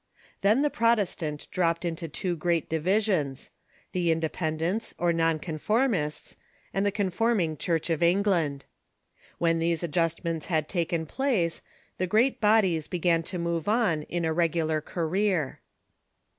Then the Protestant dropped into two great divisions — the Independents, or non conformists, and the conforming Chui'ch of England, When these adjustments had taken place, the great bodies began to move on in a regu lar career.